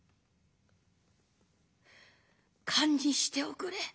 「堪忍しておくれ。